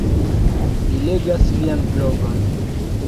Mi legas vian blogon